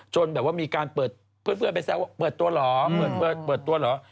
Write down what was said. จนแบบว่ามีการเปิดเพื่อนไปแซวว่าเปิดตัวเหรอ